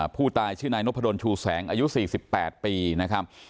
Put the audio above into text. ผู้ตายชื่อนายนพดลชูแสงอายุ๔๘ปีนะครับ